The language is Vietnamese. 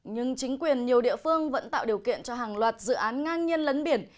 nhưng chính quyền nhiều địa phương vẫn tạo điều kiện cho hàng loạt dự án ngang nhiên lấn biển